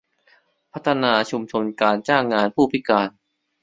พัฒนาชุมชนการจ้างงานผู้พิการ